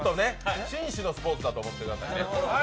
紳士のスポーツだと思ってくださいね。